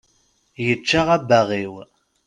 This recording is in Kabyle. Yečča abbaɣ-iw.